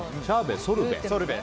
ソルベ？